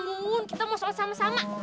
bangun kita mau soal sama sama